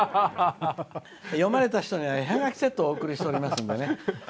読まれた人には絵ハガキセットをお送りしておりますんでね。